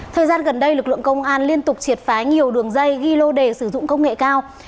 thời gian gần đây lực lượng công an liên tục triệt phá nhiều đường dây ghi lô đề sử dụng công nghệ cao